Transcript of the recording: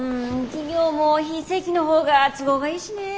企業も非正規の方が都合がいいしね。